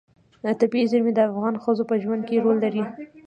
طبیعي زیرمې د افغان ښځو په ژوند کې رول لري.